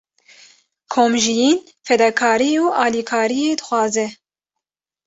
Komjiyîn, fedakarî û alîkariyê dixwaze.